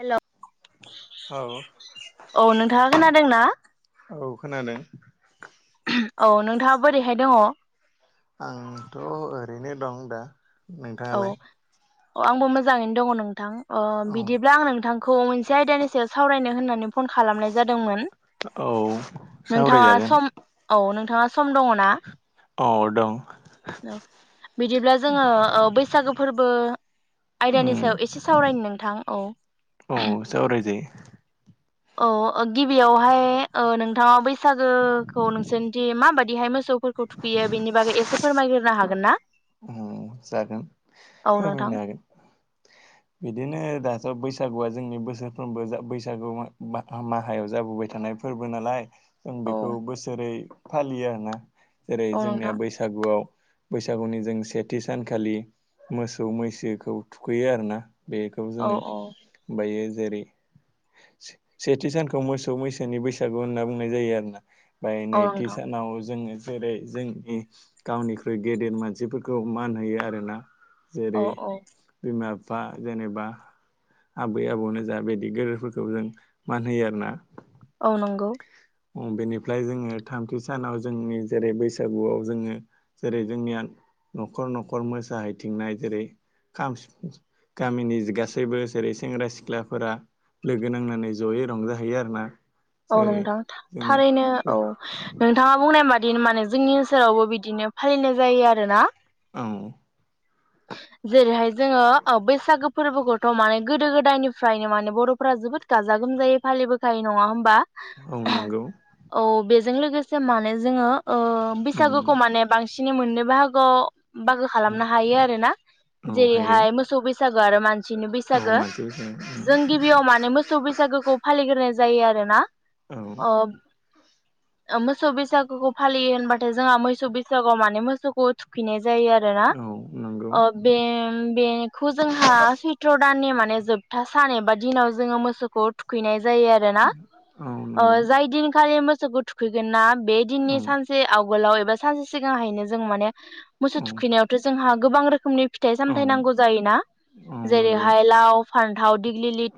Hello औ औ नोंथाङा खोनादों ना? औ खोनादों। औ नोंथाङा बोरैहाय दङ? औ आंथ' ओरैनो दं दा। नोंथाङालाय। अ आंबो मोजाङैनो दङ नोंथां। ओ औ बिदिब्ला आं नोंथांखौ मोनसे आयदानि सायाव सावरायनो होननानै फन खालामनाय जादोंमोन औ नोंथाङा सावरायजागोन सम औ नों सम दङ ना? औ दं। औ बिदिब्ला जोङो बैसागो फोरबो आयदानि उम सायाव एसे सावरायनि नोंथां औ। औ सावरायजायो औ गिबियावहाय नोंथाङा बैसागोखौ नोंसोरनिदि माबाददिहाय मोसौफोरखौ थुखैयो बेनि बागै एसे फोरमायग्रोनो हागोन ना? जागोन औ नोंथां फोरमायनो हागोन बिदिनो दाथ' बैसा बैसागुआ जोंनि बोसोरफ्रोमबो बैसागु माहा माहायाव जाबोबाय थानाय फोरबो नालाय। जों औ बेखौ बोसोरै फालियो आरोना जेरै औ जोंनिया नोंथां बैसागुआव बैसागुनि जों सेथि सानखालि मोसौ- मैसोखौ थुखैयो आरोना। बेखौ औ जोङो औ ओमफायो जेरै से-सेथि सानखौ मोसौ- मैसोनि बैसागु होनना बुंनाय जायो आरोना। ओमफ्राय औ नैथि नोंथां सानाव जोङो जेरै जोंनि गावनिख्रुइ गेदेर मानसिफोरखौ [unintelligible] मान होयो आरोना। औ जेरै औ बिमा बिफा जेनेबा आबै-आबौनो जा बिदि गोदोफोरखौ जों मान होयो आर ना। औ नंगौ। [unintelligible] बेनिफ्राय जोङो थामथि सानाव जोंनि जेरै बैसागुआव जोङो जेरै जोंनिया न'खर- न'खर मोसाहैथिंनाय जेरै खाम, सिफुं गामिनि गासैबो जेरै सेंग्रा -सिख्लाफोरा लोगो नांनानै जयै रंजाहैयो आरो ना। औ नोंथां थारैनो, औ नोंथाङा बुंनाय माने बिदिनो माने जोंनि ओनसोलावबो बिदिनो फालिनाय जायो आरो ना। औ। जेरैहाय जोङो बैसागो फोरबोखौथ' माने गोदो- गोदायनिफ्रायनो माने बर'फोरा जोबोद गाजा- गोमजायै फालिबोखायो नङा होमबा? औ नंगौ। औ बेजों लोगोसे माने जोङो अ उम बैसागुखौ माने बांसिन मोननै बाहागोआव बाहागो खालामनो हायो आरो। [unintelligible] औ हायो जेरैहाय मोसौ बैसागो आरो मानसिनि औ बैसागो मानसि बैसागु जों गिबियाव माने मोसौ बैसागोखौ फालिग्रोनाय जायो आरोना। औ अ। मोसौ बैसागुखौ फालियो होनबाथाय जोंहा मोसौ बैसागुआव माने मोसौखौ थुखैनाय जायो। जायो आरोना। औ नंगौ अ बे- बेखौ जोंहा सैथ्र' दाननि माने जोबथा सान एबा दिनाव जोङो मोसौखौ थुखैनाय जायो आरोना, औ ओ नंगौ जाय दिनखालि [unintelligible] [unintelligible] थुखैगोन ना। बे दिननि औ सानसेआव आगोलाव एबा सानसे सिगांहायनो जों माने मोसौ औ थुखैनायावथ' जोंहा गोबां रोखोम [unintelligible] फिथाइ औ -सामथायाइ नांगौ जायोना औ नंगौ जेरैहाय लाव फान्थाव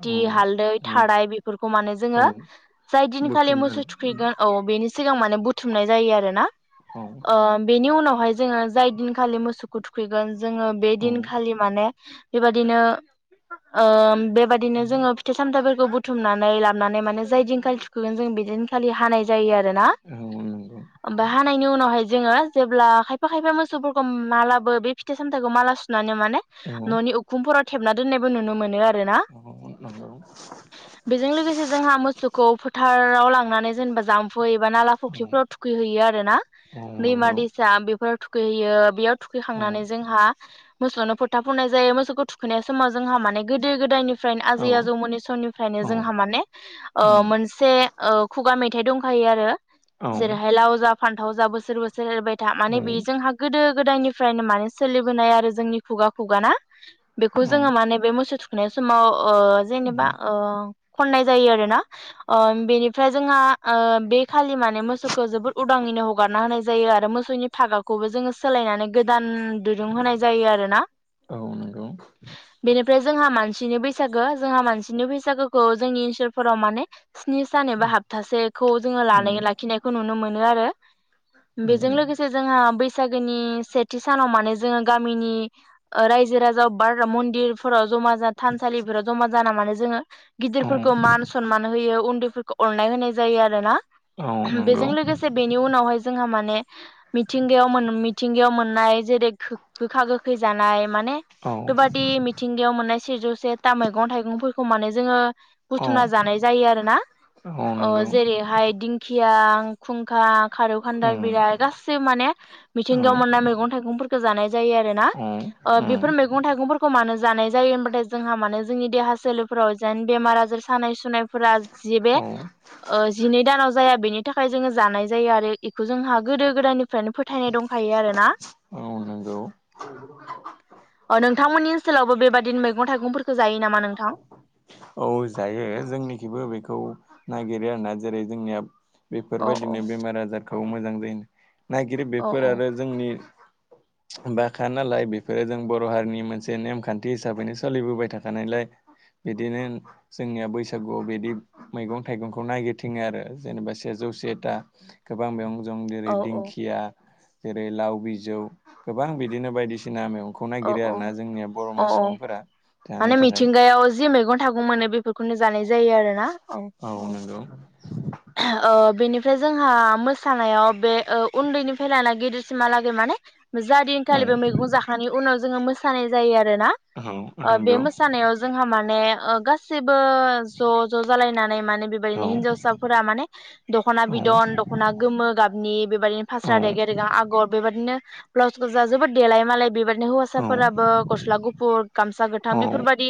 औ हालदै औ थाराय बेफोरखौ माने जोङो औ जाय दिनखालि बुथुम आरो मोसौ थुखैगोन औ बेनि सिगां माने बुथुमनाय जायो आरो ना। औ अ बेनि उनाव हाय जोङो जाय दिनखालि मोसौखौ थुखैगोन जोङो बे औ दिनखालि माने बेबदिनो ओम बेबायदिनो जोङो फिथाइ -सामथाइ फोर -खौ बुथुमनानै लाबानै माने जाय दिनखालि थुखगोन जों बिदिनखालि हानाय जायो आरो आरो ना औ नंगौ ओमफ्राय हानायनि उनावहाय जोङो जेब्ला खायफा खायफा मोसौफोरखौ मालाबो बे फिथाइ -सामथाइखौ माला सु नानै माने औ ननि उखुमफोराव खेबना दोननायबो नुनो मोनो आरो। आरो ना औ नंगौ बेजों लोगोसे जोंहा मोसौखौ फोथार फोराव लांनानै जेनेबा जाम्फु थुखैयोबा नाला औ फुख्रिफोराव थुखै हैैयो आरो ना औ दैमा नंगौ दैसा बेफोराव थुख खै हैयो बेयाव थुखै औ खांनानै ज जोंहा मोसौ नो फोथा फुननाय जायो मोसौखौ थु खैनाय समाव जोंहा माने गोदो गोदायनिफ्रायनो औ आजै आजौमोनोनि समनिफ्रायनो औ जोंहा माने उम ओ-मोनसे औ खुगा मेथाइ दंखायो आरो। औ जेर हाय लावजा फान्थाव जा बोसोर बोसोरे एर बाय दा माने औ बे जोंहा गोदो गोदाय निफ्रायनो माने सोलिबोनाय आरो जोंनि खुगा खुगा ना? बेखौ औ जोङो माने बे मोसौ थु नाय समाव अ जेनेबा अ खननाय जायो आरो ना। ओ बेनिफ्राय जोंहा ओ बे खालि माने मोसौखौ जोबोद उदाङैनो हगारना होनाय जाय जायो आरो मोसौनि फागाखौबो जोङो सोलायनानै गोदान दुरुं होनाय जायो आरोना औ नंगौ बेनिफ्राय जोंहा मानसि सिनि बैसागो जोंहा मानसिनि बैसागोखौ जोंनि ओनसोलफोराव माने स्नि सान एबा हापथासेखौ जोङो उम लानानै लाखिनायखौ नुनो मोनो आरो उम बेजों लोगोसे जोंहा बैस सागोनि सेथि सानाव माने जोङो गामिनि ओ रायजो राजा बार मन्दिरफोराव जमा जा थानसालिफोराव जमा जाना मानो जोङो औ गिदिरफोरखौ मान सनमान होयो उन उन्दैफोरखौ अरनाय होनाय जायो आरो ना औ बेजों नंगौ लोगोसे बेनि उनावहाय जोंहा माने ने मिथिंगायाव मोन मिथिंगायाव मोननाय जेरै खो गोखा गो‌ खै जानाय माने औ बेबादि मिथिंगायाव मोननाय सेजौ से सेथा मैगं थाइगंफोरखौ माने जोङो औ बुथुमना जानाय जायो आरो ना औ अ नंगौ जेरैहाय दिंखिया ओ खुंखा खारौ खान्दाय उम बिलाय गासिबो माने औ मिथिंगायाव मोननाय मैगं थाइगंफोर गोजानाय जायो आरोना औ ओ बेफोर उम मैगं थाइगंफोरखौ मानो जानाय जायो होमबाथाय जोंहा मानोे जोंनि देहा सोलेरफोराव जेन बेमार आजार सानाय सुनायफोरा जि बे औ ओ जिनै दानाव जाया बेनि थाखाय जोङो जानाय जायो आरो इखौ जोंहा गोदो गोदायनि फ्रायनो फोथायनाय दंखायो आरो ना औ नोंगौ अ नोंथांमोननि ओनसोलावबो बेबादिनो मैगं थाइगंफोरखौ जायो नामा नोंथां औ जायो जोंनिखिबो बेखौ नागिरो आरोना जेरै जोंनिया बेफोर औ औ बायदिनो बेमार आजार खौ मोजां जायो नागिरो औ बेफोर औ आरो जोंनि बाखा नालाय बेफोरो जों बर हारिनि मोनसे नेमखान्थि हिसाबैनो सोलिबोबाय थाखानायलाय बिदिनो जोंनिया बैसागुआव बिदि मैगं थाइगंखौ नागिर थिंङो आरो जेनेबा सेजौ सेथा गोबां बेयाव दं जेरै औ औ दिंखिया जेरै लाव बिजौ गोबां बिदिनो बायदिसिना मेव खौ औ नायगिरो आरोना जोंनिया बरमा औ औ सुबुंफोरा थानो थाखाय थागौ मोनो बेफोरखौनो जानाय जा जायो आरोना औ औ ओ बेनिफ्राय जोंहा मोसानायाव बे ओ उन्दैनिफ्राय लाना गिदिरसिमहालागै माने जा दिनखालि औ बे मैगं जाखा जोङो मोसानाय जायो आरो आरो ना औ बे नंगौ मोसानायाव जोंहा माने ओ गासि बो ज' ज' जालायनानै माने औ बेबादिनो हिनजावसाफोरा माने दख'ना बिदन दख'ना गोमो गाबनि बेबादिनो औ फास्रा रेगे रेगा आगर बेबादिनो ब्लाउसखौजा जोबोद देलायो मालाय बेबा हौवासाफोराबो गस्ला गुफुर गामसा गोथां औ बेफोरबादि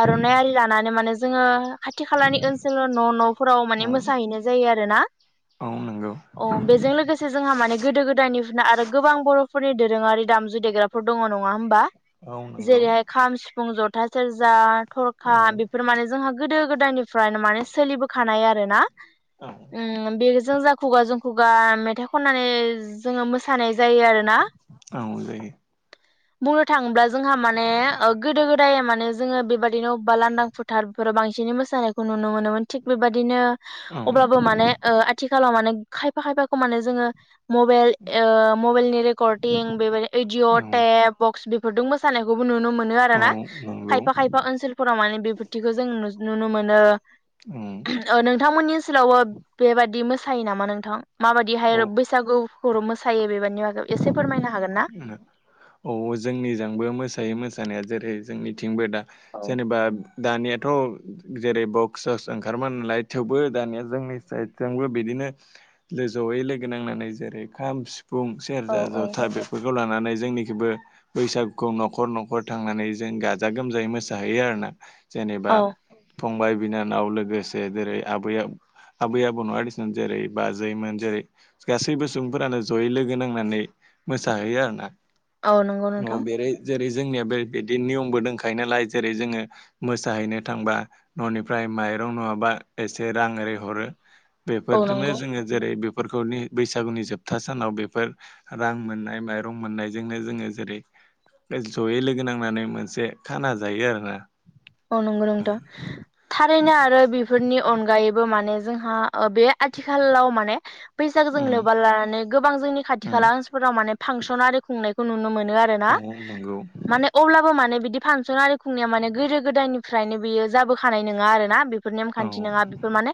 आरनाइ आरि लानानै माने जोङो खाथि खालानि ओनसोलाव न' न'फोराव माने औ मोसाहैनाय जायो आरोना औ नंगौ अ बेजों लोगोसे जोंहा माने गोदो गोदायनिफिनो आरो गोबां बरफोरनि दोरोङारि दामजु [unintelligible] फोर दङ नङा होमबा औ नंगौ जेरैहाय खाम सि फुं जथा सेरजा थरखा औ बेफोर माने जोंहा गोदो गो यनिफ्रायनो माने सोलिबोखानाय आरो ना। औ उम बे जों जा खुगा जों खुगा मेथाइ खननानै जोङो मोसानाय जायो आरोना औ जायो बुंनो थांब्ला जोंहा माने ओ गोदो गोदाय माने जोङो बेबादिनो अब्बा लांदां फोथारफोराव बांसिनै मोसानायखौ नु नो मोनोमोन थिक बेबादिनो औ अब्लाबो माने ओ आथिखालाव माने खायफा खायफाखौ माने जोङो मबेइल ओ मबेइलनि रेकर्डिं बेबाय औ एदिअद ए बक्स हरदों- जानायखौबो नुनो मोनो औ आरोना नंगौ खायफा खायफा ओनसोलफोराव माने बिबुथिखौ जों नु नुनो मोनो औ ओ नोंथांमोननि ओनसोलावबो बेबायादि मो सायो नामा नोंथां माबादिहाय बैसागु बर' मोसायो बेबारनि मागाव एसे फोरमायनो हागोन ना? औ जोंनिजोंबो मोसायो मोसानाया जेरै जोंनिथिंबो दा औ जेनेबा दानियाथ' जेरै बक्सस ओंखारोमा नालाय थेवबो दानिया जोंनि साइडजोंबो बिदिनो लोगो जयै लोगो नांनानै जेरै खाम सि फुं औ सेरजा जथ औ बेखौ लानानै जोंनिखौबो बैसागुखौ न'खर न'खर थांनानै जों गाजा गोमजायै मोसाहैयो आरो ना। जेनेबा औ फंबाय बिनानाव लोगोसे जेरै आबैआब आबै आबौ न'ङा दिसुन जेरै बाजैमोन जेरै गासैबो सुबुंफोरानो जयै लोगो नांनानै मोसाहैयो आरो ना। औ नंगौ नोंथां। जेरै जोंनिया बे बिदिनो नियमबो दंखायो नालाय जेरै जोङो मोसाहैनो थांबा न'निफ्राय माइरं नङाबा एसे रां ओरै हरो। औ बेफोरजोंनो नंगौ जोङो जेरै बिब फोरनि बैसागुनि जोबथा सानाव बेफोर रां मोननाय माइरं मोननायजोंनो जोङो जेरै जयै लोगो नांनानै मोनसे खाना जायो आरो ना। औ नंगौ नंथ' थारैनो आरो बेफोरनि अनगायैबो माने हा बे आथिखालाव माने फैसाखौ जों उम लोबा लानानै गोबां जोंनि खाथि उम खाला ओनसोलफोराव माने फांसन खुंनायखौ नुनो मोनो। आरोना औ नंगौ माने अब्लाबो माने बिद - दि फांसन आरो खुंया माने गोदो गोदायनिफ्रायनो बियो जाबोखानाय नङा आरोना बे बेफोर औ नेमखान्थि नङा बेफोर माने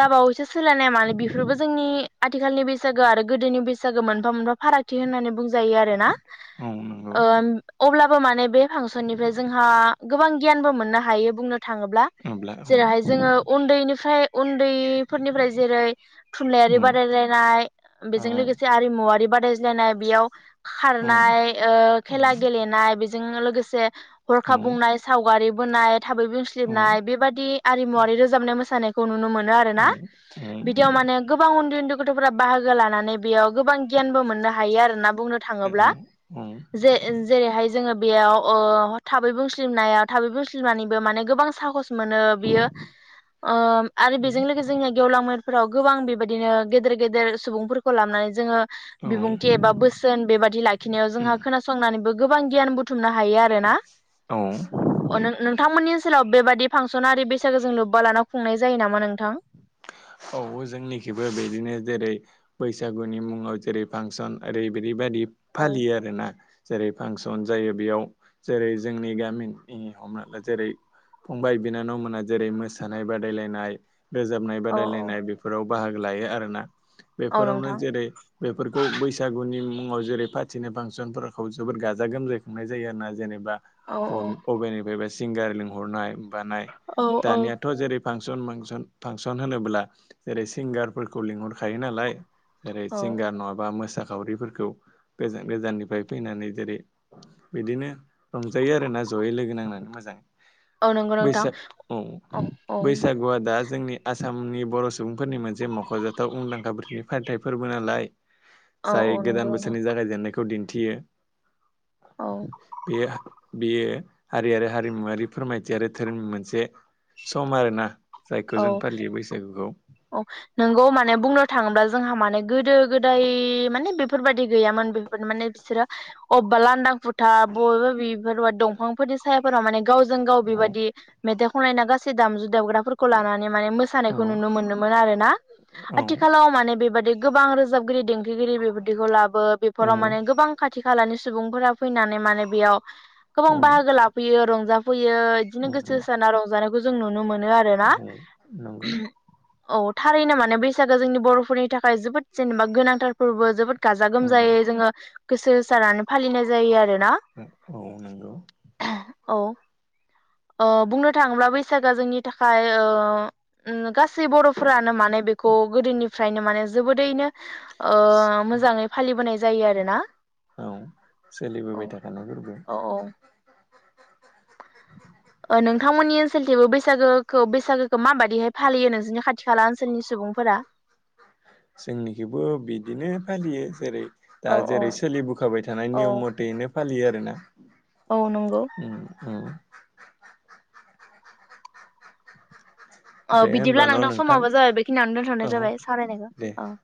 दाबावैसो सोलायनाया मानो बेफोरबो जोंनि - आथिखालनि बैसागो आरो गोदोनि बैसागो मोनफा मोनफा फारागथि होननानै बुं जायो आरोना औ नंगौ ओम अब्ला माने बे फांसननिफ्राय जोंहा गोबां गियानबो मोननो हायो बुंनो थाङोब्ला अब्ला औ जेरैहाय जोङो उन्दैनिफ्राय उन दैफोरनिफ्राय जेरै थुनलाइारि उम बादायलायनाय औ बेजों लोगोसे आरिमुवारि बाद दाययज्लायनाय बेयाव औ खारनाय ओ उम खेला गेलेनाय बिदि जोंङो लोगोसे औ हरखाब बुंनाय बारि बोनाय थाबै औ बुंसलिबनाय बेबादि आरिमुवारि रोजाबनाय मोसानायखौ खौ नुनो मोनो ना आरो औ ना बिदियाव माने गोबां उन्दै -उन्दै गथ'फोरा बाहागो लानानै बेयाव गोबां गियानबो मोननो हायो आरोना बुंनो औ थाङोब्ला औ जे- जेरै हाय जोङो बेयाव ओ थाबै बुंस्लु सिलमनायाव थाबै बुंस्लिम नानैबो माने गोबां साहस मोनो बियो ओ आरो उम बेजों लोगोजो जोंनिया गेवलां मेल फोराव गोबां बेबायदिनो गेदेर -गेदेर सुबुंफोरखौ लाबनानै जोङो औ बिबुंथि एबा बोसोन बेबादि लाखिनायाव जोंहा उम, खोनासंनानैबो गोबां गियान बुथुम बुथुमनो हायो आरो ना। औ अ नों नोंथांमोननि नि ओनसाव बेबायदि फांसनारि बैसागो जों लोब्बा लाना खुंनाय जायो नामा नों औ जोंनिखिबो बिदिनो जेरै बैसागुनि मुङाव जेरै फांसन ओरै बिदिबायदि औ फालियो आरो ना जेरै फांसन जायो बेयाव जेरै जोंनि गामिनि हमना जेरै फंबाय बिनानाव मोना जेरै मोसानाय बादायलायनाय रोजाबनाय औ बादायलायनाय बेफोराव बाहागो लायो आरोना औ बेफोरावनो नोंथां जेरै बेफोरखौ बैसागुनि मुङाव जेरै फाथिनाय फांसनफोरखौ जोबोद गाजा गोमजाय खुंनाय जायो आरोना जेनबा औ अबनिफ्राय। सिंगार लिंहरनाय। बानाय औ औ दानियाथ' जेरै फांसन मांसन फांसन होनोब्ला जेरै सिंगारफोरखौ लिंहरखायो नालाय जेरै औ सिंगार नङाबा मोसा खावरिफोरखौ गोजान गोजाननिफ्राय फैनानै जेरै बिदिनो रंजायो आरो ना जयै लोगो नांनानै मोजाङै औ नंगौ बैस नोंथां अ औ औ बैसागुआ दा जोंनि आसामनि बर' सुबुंफोरनि मोनसे मख'जाथाव मुंदांखा [unintelligible] फालिथायाइ फोरबो नालाय औ जाय औ गोदान नंगौ नोंथां बोसोरनि जागायजेननायखौ दि थियो। औ बे बेयो हारि आरो हारिमुवारि फोरमायथि आरो धोरोमनि मोनसे सम आरोना जायखौ जों। फालियो [unintelligible] बैसागुखौ औ नोंगौ माने बुंनो थाङोब्ला जोंहा माने गोदो गोदाय मान माने बेफोरबायादि गैयामोन बेफोर माने बिसोरो अबेबा बेफोर बालि गैयामोन बेफोर बादि माने बिसोरो बसेड़ा लांदां फुथार बबेबा बेफोरब दंफांफोरनि सायाफोराव माने गावजों गाव औ बेबायदि मेथाइ खनलनायना गासै दामजु दामग्रा लानानै माने औ मोसानायखौ नुनो मोनोमोन आरोना औ आथिखालाव माने बेबायदि गोबां रोजाबगिरि दें [unintelligible] बेबदिखौ लाबो औ बेफोराव माने गोबां खाथि खाथि खालानि सुबुंफोरा फैनानै माने बेयाव गोबां औ बाहागो लाफैयो रंजाफैयो फैयो बिदिनो गोसो हो साना रंजानायखौ। जों नुनो मोनो आरो औ नंगौ। औ थारैनो माने बैसागोया जोंनि बर'फोरनि थाखाय जोबोद जेनेबा गोनांथार फोरबो जोबोद गाजा उम, गोमजायै जोङो। गोसो होसारनानै फालिनाय जायो आरो। औ नंगौ। औ। अ बुंनो थाङोब्ला बैसागोआ जोंनि थाखाय ओ उम गासै बर'फोरानो मानो नै बेखौ गोदोनिफ्रायनो माने जोबोदैनो ओ मोजाङै फालिबोनाय जायो आरोना औ औ सोलिबोबाय थाखानाय फोरबो औ औ। ओ नोंथांमोननि ओनसोलथिबो बैसागोखौ बैसागोखौ माबादिहाय फालियो नोंसोरनि खाथि खाला ओनसोलनि सुबुंफोरा। जोंनिखौबो बिदिनो फालियो जेरै। औ दा जेरै सोलिबोखाबाय थानाय औ नियम मथेैनो। फालियो आरोना। औ नंगौ उम उम। औ दे बिदिब्ला होनबा न' नोंथां समाबो जाबाय बेखिनियावनो दोनथ'नाय औ जाबाय दे। सावरायनायखौ औ।